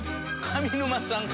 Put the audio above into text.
上沼さん。